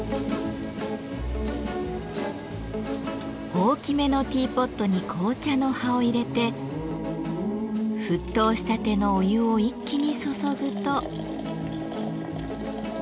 大きめのティーポットに紅茶の葉を入れて沸騰したてのお湯を一気に注ぐと。